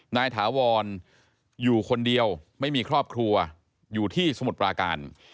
ถาวรอยู่คนเดียวไม่มีครอบครัวอยู่ที่สมุทรปราการ